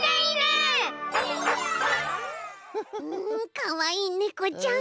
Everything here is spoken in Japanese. かわいいねこちゃん